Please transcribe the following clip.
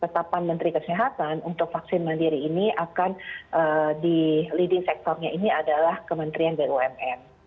tetapan menteri kesehatan untuk vaksin mandiri ini akan di leading sektornya ini adalah kementerian bumn